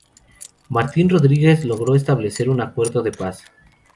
Martín Rodríguez logró establecer un acuerdo de paz.